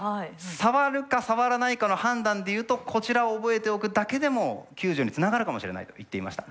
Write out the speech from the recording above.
触るか触らないかの判断でいうとこちらを覚えておくだけでも救助につながるかもしれないと言っていました。